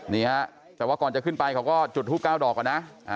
นี่ครับแต่ว่าก่อนจะขึ้นไปเขาก็จุดฮูกก้าวดอกก่อนนะ